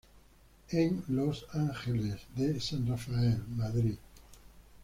En Los Ángeles.